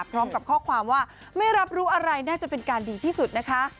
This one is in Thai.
พร้อมกับข้อความว่าไม่รับรู้อะไรน่าจะเป็นการดีที่สุดนะคะ